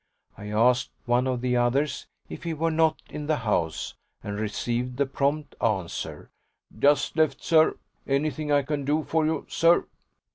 I asked one of the others if he were not in the house, and received the prompt answer: "Just left, sir. Anything I can do for you, sir?"